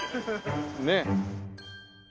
ねえ。